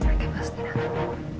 mereka pasti datang